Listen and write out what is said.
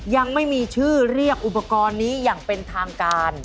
ยังไม่มีชื่อเรียกอุปกรณ์นี้อย่างเป็นทางการ